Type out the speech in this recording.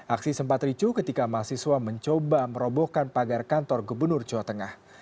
aksi sempat ricu ketika mahasiswa mencoba merobohkan pagar kantor gubernur jawa tengah